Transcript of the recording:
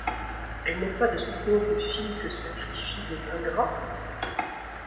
Elle n'est pas de ces pauvres filles que sacrifient des ingrats ?